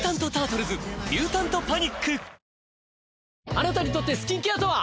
あなたにとってスキンケアとは？